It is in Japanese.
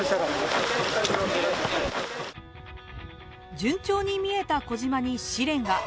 順調に見えた小島に試練が。